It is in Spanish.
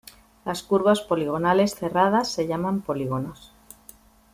Las curvas poligonales cerradas se llaman polígonos.